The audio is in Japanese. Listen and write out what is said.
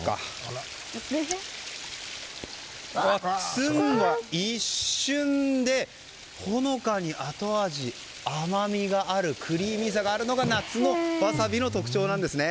ツンが一瞬でほのかにあと味、甘みやクリーミーさがあるのが夏のわさびの特徴なんですね。